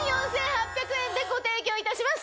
でご提供いたします。